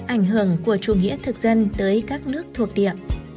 ảnh hưởng của chủ nghĩa thực dân tới các nước thuộc địa